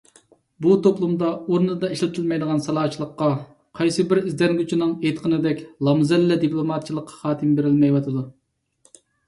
بۇ توپلۇمدا ئورنىدا ئىشلىتىلمەيدىغان سالاچىلىققا، قايسى بىر ئىزدەنگۈچىنىڭ ئېيتقىنىدەك "لامزەللە" دىپلوماتچىلىققا خاتىمە بېرىلمەيۋاتىدۇ.